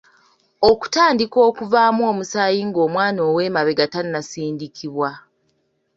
Okutandika okuvaamu omusaayi ng'omwana ow'emabega tannasindikibwa.